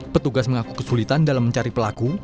petugas mengaku kesulitan dalam mencari pelaku